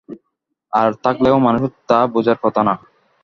আর থাকলেও মানুষের তা বোঝার কথা না।